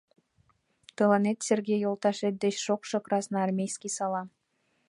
Тыланет Сергей йолташет деч шокшо красноармейский салам!..»